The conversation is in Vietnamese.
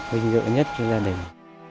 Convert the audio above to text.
hình dựa nhất cho gia đình